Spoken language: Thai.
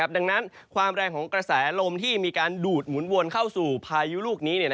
ดังนั้นความแรงของกระแสลมที่มีการดูดหมุนวนเข้าสู่พายุลูกนี้